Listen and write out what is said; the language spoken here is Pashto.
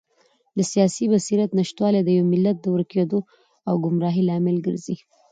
د سیاسي بصیرت نشتوالی د یو ملت د ورکېدو او ګمراهۍ لامل ګرځي.